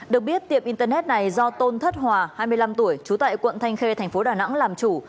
được biết tiệm internet này do tôn thất hòa hai mươi năm tuổi trú tại quận thanh khê thành phố đà nẵng làm chủ